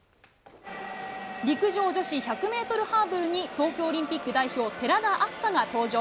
陸上女子１００メートルハードルに東京オリンピック代表、寺田明日香が登場。